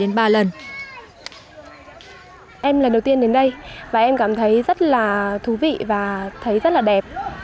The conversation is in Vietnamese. em lần đầu tiên đến đây và em cảm thấy rất là thú vị và thấy rất là đẹp